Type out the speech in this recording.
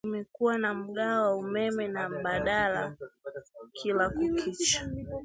tumekuwa na mgao wa umeme na mabalaa kila kukicha